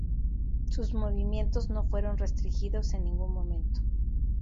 Sus movimientos no fueron restringidos en ningún momento.